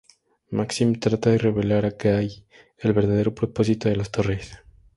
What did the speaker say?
Maxim trata de revelar a Gay el verdadero propósito de las torres.